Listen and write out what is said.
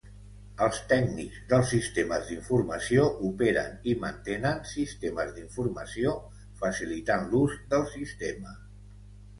Els tècnics dels sistemes d'informació operen i mantenen sistemes d'informació, facilitant l'ús del sistema.